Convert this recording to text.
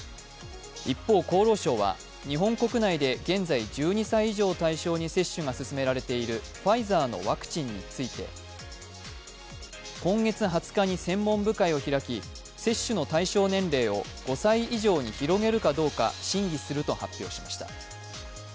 一方、厚労省は日本国内で現在１２歳以上を対象に接種が進められているファイザーのワクチンについて今月２０日に専門部会を開き接種の対象年齢を５歳以上に広げるかどうか審議すると発表しました。